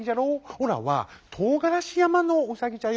オラはとうがらしやまのウサギじゃよ。